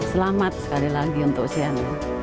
selamat sekali lagi untuk cnn